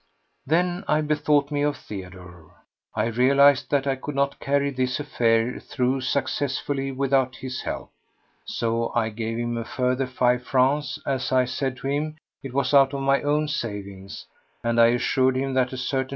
Then I bethought me of Theodore. I realised that I could not carry this affair through successfully without his help. So I gave him a further five francs—as I said to him it was out of my own savings—and I assured him that a certain M.